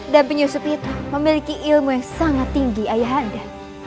dan penyusup itu memiliki ilmu yang sangat tinggi ayah anda